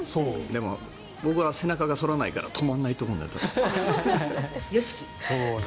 でも僕は背中が反らないから止まらないと思うんだよね。